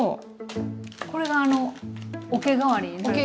これがあのおけ代わりになるという。